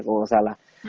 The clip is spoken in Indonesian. kalau gak salah